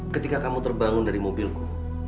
ketika kamu terbangun dari mobilku